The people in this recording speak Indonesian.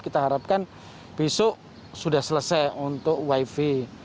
kita harapkan besok sudah selesai untuk wifi